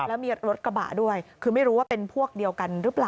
แล้วมีรถกระบะด้วยคือไม่รู้ว่าเป็นพวกเดียวกันหรือเปล่า